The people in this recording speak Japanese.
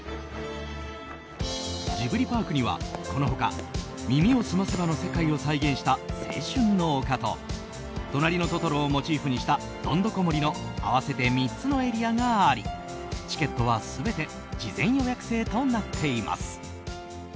ジブリパークには、この他「耳をすませば」の世界を再現した青春の丘と「となりのトトロ」をモチーフにしたどんどこ森の合わせて３つのエリアがありチケットは全て事前予約制となっています。